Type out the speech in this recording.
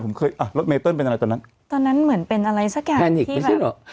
ผมเคยอ่ะรถเมตต์เติ้ลเป็นอะไรตอนนั้นตอนนั้นเหมือนเป็นอะไรสักอย่างที่แบบ